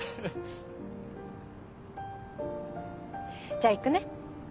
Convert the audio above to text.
じゃあ行くね。